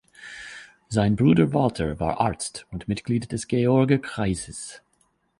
Sein Bruder Walter war Arzt und Mitglied des George-Kreises.